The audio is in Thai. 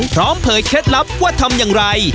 เผยเคล็ดลับว่าทำอย่างไร